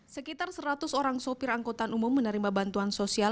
sekitar seratus orang sopir angkutan umum menerima bantuan sosial